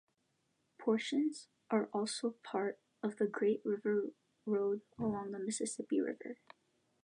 Portions are also part of the Great River Road along the Mississippi River.